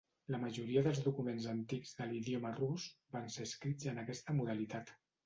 La majoria dels documents antics de l'idioma rus van ser escrits en aquesta modalitat.